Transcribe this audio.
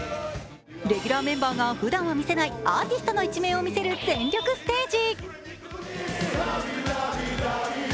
レギュラーメンバーがふだんは見せないアーティストの一面を見せる全力ステージ。